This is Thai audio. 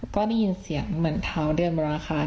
ก็ได้ยินเสียงเหมือนเท้าเดือนราคา